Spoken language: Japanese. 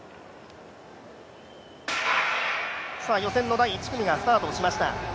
予選の第１組がスタートしました。